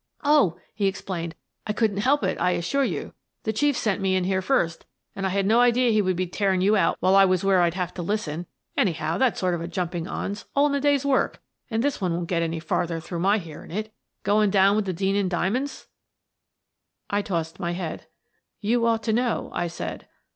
" Oh," he explained, " I couldn't help it, I as sure you! The Chief sent me in here first and I had no idea he would be tearing you out while I was where I'd have to listen. Anyhow, that sort of a jumping on's all in the day's work, and this one won't get any farther through my hearing it Go ing down with the Denneen diamonds?" I tossed my head. " You ought to know," I said.